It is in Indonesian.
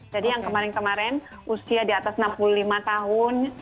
jadi yang kemarin kemarin usia di atas enam puluh lima tahun